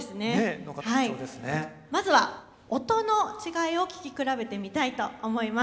まずは音の違いを聴き比べてみたいと思います。